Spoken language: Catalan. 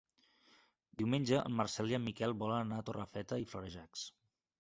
Diumenge en Marcel i en Miquel volen anar a Torrefeta i Florejacs.